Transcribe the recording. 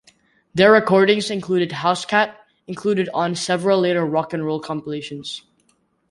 Their recordings included "House Cat", included on several later rock and roll compilations.